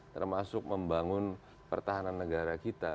termasuk membangun pertahanan negara kita